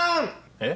えっ？